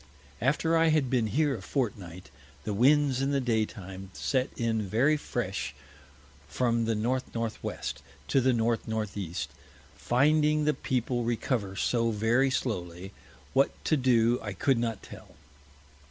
After I had been here a Fortnight, the Winds in the Day time set in very fresh from the N. N. W. to the N. N. E. Finding the People recover so very slowly, what to do I could not tell.